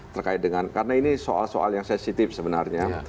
terkait dengan karena ini soal soal yang sensitif sebenarnya